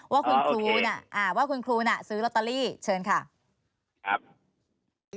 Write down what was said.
ว่าคุณครูซื้อโรตเตอรี่เชิญค่ะ